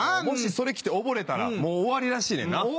もしそれ着て溺れたらもう終わりらしいねんな。